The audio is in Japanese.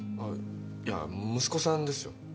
いや息子さんですよ。